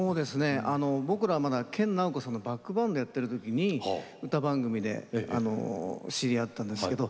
僕らまだ研ナオコさんのバックバンドをやってるときに歌番組で知り合ったんですけど